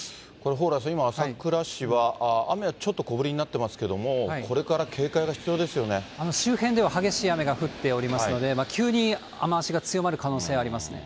蓬莱さん、今、朝倉市は雨はちょっと小降りになってますけども、これから警戒が周辺では激しい雨が降っておりますので、急に雨足が強まる可能性がありますね。